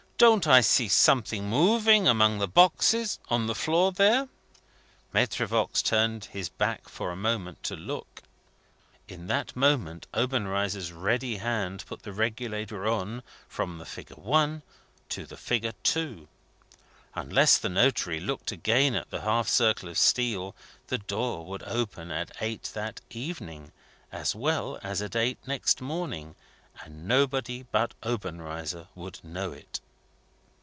"Don't I see something moving among the boxes on the floor there?" (Maitre Voigt turned his back for a moment to look. In that moment, Obenreizer's ready hand put the regulator on, from the figure "I." to the figure "II." Unless the notary looked again at the half circle of steel, the door would open at eight that evening, as well as at eight next morning, and nobody but Obenreizer would know it.)